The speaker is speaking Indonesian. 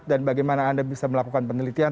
dan bagaimana anda bisa melakukan penelitian